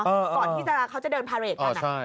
ก่อนที่นักศึกษาเขาจะเดินพาร์ตเรทกัน